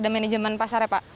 manajemen pasarnya pak